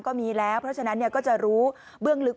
ก็มีแล้วเพราะฉะนั้นก็จะรู้เบื้องลึก